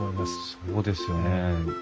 そうですね。